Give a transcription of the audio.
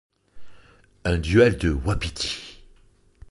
Un duel de wapitis —